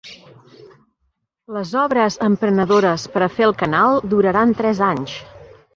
Les obres emprenedores per a fer el canal duraran tres anys.